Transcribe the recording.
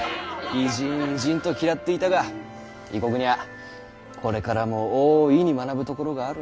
異人異人と嫌っていたが異国にはこれからも大いに学ぶところがある。